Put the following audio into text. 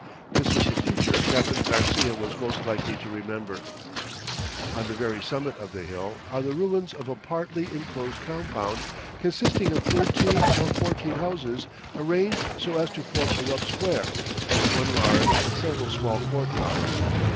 This was the feature Captain Garcia was most likely to remember. On the very summit of the hill are the ruins of a partly enclosed compound consisting of thirteen or fourteen houses arranged so as to form a rough square, with one large and several small courtyards.